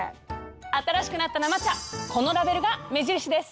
新しくなった生茶このラベルが目印です！